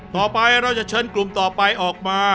ต่อไปเราจะเชิญกลุ่มต่อไปออกมา